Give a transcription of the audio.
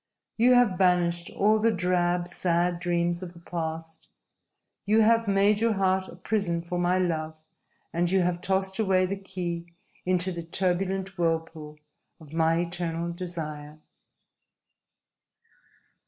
You have banished all the drab, sad dreams of the past! You have made your heart a prison for my love, and you have tossed away the key into the turbulent whirlpool of my eternal desire!"